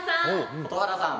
蛍原さん！